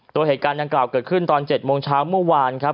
ตัวเหตุการณ์ดังกล่าวเกิดขึ้นตอน๗โมงเช้าเมื่อวานครับ